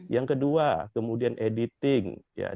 yang kedua kemudian editing